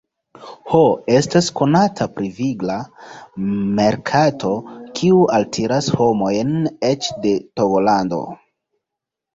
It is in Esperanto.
Ho estas konata pri vigla merkato, kiu altiras homojn eĉ de Togolando.